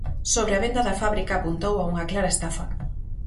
Sobre a venda da fábrica apuntou a "unha clara estafa".